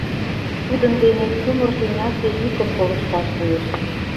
Тудын дене чумыр тӱнясе йӱкым колышташ лиеш.